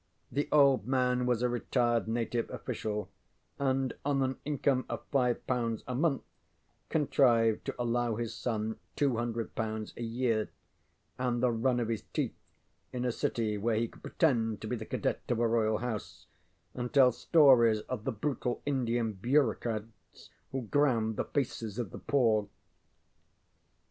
The old man was a retired native official, and on an income of five pounds a month contrived to allow his son two hundred pounds a year, and the run of his teeth in a city where he could pretend to be the cadet of a royal house, and tell stories of the brutal Indian bureaucrats who ground the faces of the poor.